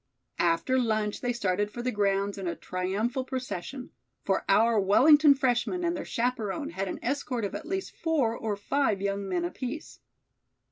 After lunch they started for the grounds in a triumphal procession; for our Wellington freshmen and their chaperone had an escort of at least four or five young men apiece.